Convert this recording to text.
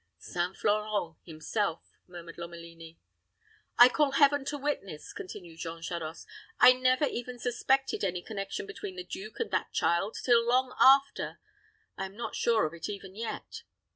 "St. Florent himself," murmured Lomelini. "I call Heaven to witness," continued Jean Charost, "I never even suspected any connection between the duke and that child till long after I am not sure of it even yet."